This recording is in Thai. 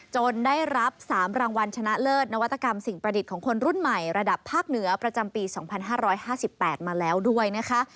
ได้รับ๓รางวัลชนะเลิศนวัตกรรมสิ่งประดิษฐ์ของคนรุ่นใหม่ระดับภาคเหนือประจำปี๒๕๕๘มาแล้วด้วยนะคะ